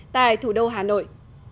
tại thủ đô hà nội